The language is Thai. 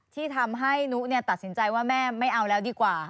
ที่ทำให้นุตัดสินใจว่าแม่ไม่เอาแล้วดีกว่า